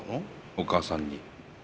お母さんに。